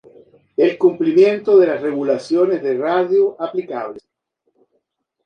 el cumplimiento de las regulaciones de radio aplicables